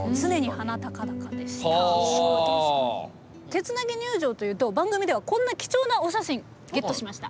手つなぎ入場というと番組ではこんな貴重なお写真ゲットしました。